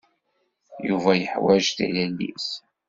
Yuba yeḥwaǧ tilelli-s.